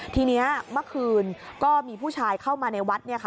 ทีนี้เมื่อคืนก็มีผู้ชายเข้ามาในวัด